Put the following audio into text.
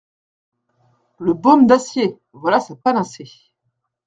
Le baume d'acier ! voilà sa panacée.